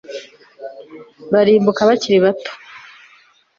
barimbuka bakiri bato